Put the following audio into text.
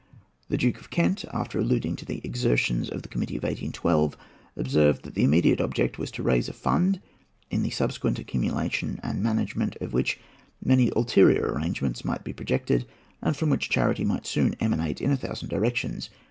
THE DUKE OF KENT, after alluding to the exertions of the Committee of 1812, observed that the immediate object was to raise a fund, in the subsequent accumulation and management of which many ulterior arrangements might be projected, and from which charity might soon emanate in a thousand directions.